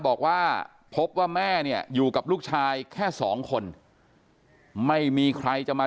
บอกว่าพบว่าแม่เนี่ยอยู่กับลูกชายแค่สองคนไม่มีใครจะมา